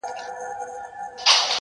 له خپلي کورنۍ، ماشومانو